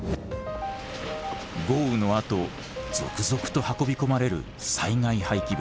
豪雨のあと続々と運び込まれる災害廃棄物。